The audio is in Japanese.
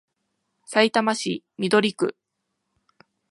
さいたま市緑区